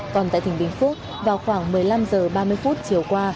còn tại tỉnh bình phước vào khoảng một mươi năm h ba mươi chiều qua